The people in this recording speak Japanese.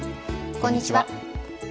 こんにちは。